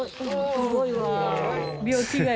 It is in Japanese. すごいよ。